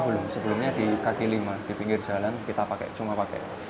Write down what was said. belum sebelumnya di kaki lima di pinggir jalan kita cuma pakai